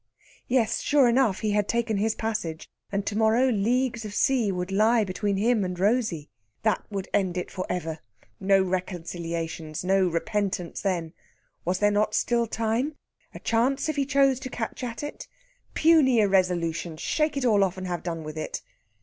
Yes, sure enough he had taken his passage, and to morrow leagues of sea would lie between him and Rosey. That would end it for ever. No reconciliations, no repentance then!... Was there not still time? a chance if he chose to catch at it? Puny irresolution! Shake it all off, and have done with it....